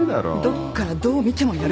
どっからどう見てもやる気満々だ。